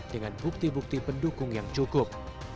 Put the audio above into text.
dengan bukti bukti pendukung yang cukup